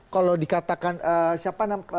kalau dikatakan siapa namanya